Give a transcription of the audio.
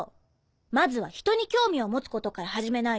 まずはひとに興味を持つことから始めないと。